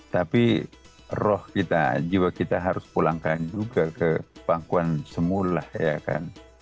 tapi roh kita jiwa kita harus pulangkan juga ke pangkuan semula ya kan